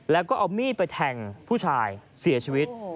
แล้วก็เอามีดไปแทงผู้ชายเสียชีวิต